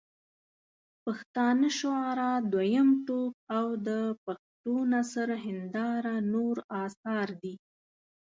پښتانه شعراء دویم ټوک او د پښټو نثر هنداره نور اثار دي.